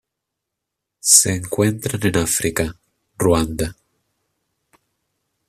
Se encuentran en África: Ruanda.